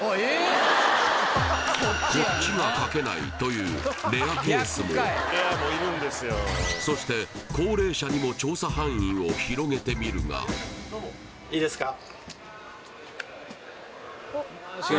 こっちが書けないというレアケースもそして高齢者にも調査範囲を広げてみるがいいですか？